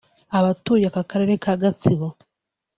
Abatuye Akarere ka Gatsibo